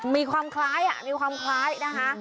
มีความคล้ายมีความคล้ายนะคะ